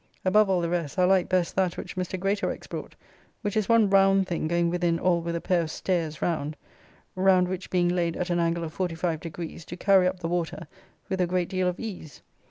Above all the rest, I liked best that which Mr. Greatorex brought, which is one round thing going within all with a pair of stairs round; round which being laid at an angle of 45 deg., do carry up the water with a great deal of ease.